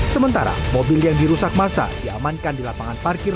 sementara mobil yang dirusak masa diamankan di lapangan parkir